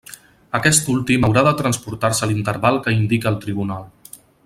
Aquest últim haurà de transportar-se a l'interval que indique el tribunal.